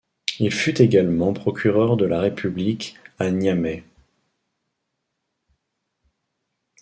Il fut également procureur de la République à Niamey.